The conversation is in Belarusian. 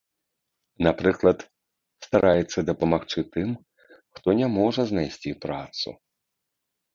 Напрыклад, стараецца дапамагчы тым, хто не можа знайсці працу.